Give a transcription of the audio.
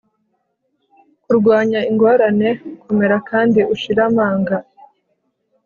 kurwanya ingorane komera kandi ushire amanga